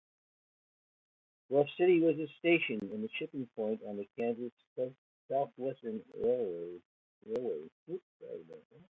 Bluff City was a station and shipping point on the Kansas Southwestern Railway.